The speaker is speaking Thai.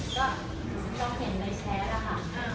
ก็ต้องเห็นในแชร์นะคะ